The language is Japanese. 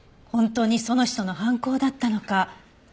本当にその人の犯行だったのか？